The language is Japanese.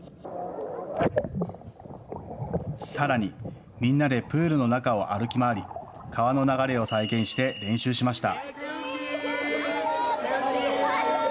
さらにみんなでプールの中を歩き回り川の流れを再現して練習しました。